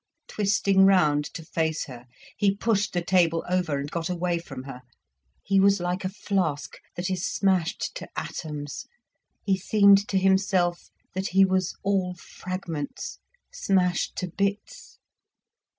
Twisting round to face her he pushed the table over and got away from her. He was like a flask that is smashed to atoms, he seemed to himself that he was all fragments, smashed to bits.